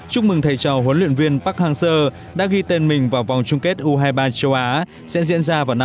chúc mừng thầy trò huấn luyện viên park hang seo đã ghi tên mình vào vòng chung kết u hai mươi ba châu á sẽ diễn ra vào năm hai nghìn hai mươi